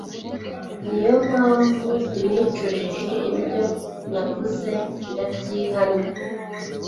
ni yo mpamvu nicujije ibyo navuze, ndabyihannye